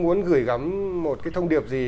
muốn gửi gắm một thông điệp gì